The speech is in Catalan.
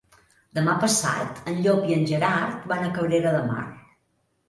Demà passat en Llop i en Gerard van a Cabrera de Mar.